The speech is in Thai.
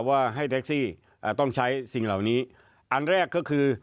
ว่าให้แท็กซี่ต้องใช้สิ่งเหล่านี้อันแรกก็คือ